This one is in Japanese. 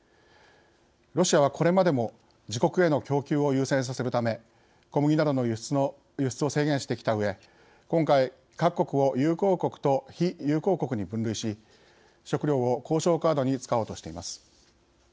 ロシアは、これまでも自国への供給を優先させるため小麦などの輸出を制限してきたうえ今回、各国を友好国と非友好国に分類し食糧を交渉カードに使おうとしています。